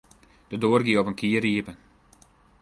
De doar gie op in kier iepen.